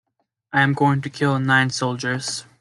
I am going to kill nine Soldiers.